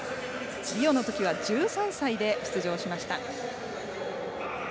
リオのときは１３歳で出場しました。